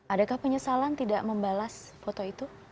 adakah penyesalan tidak membalas foto itu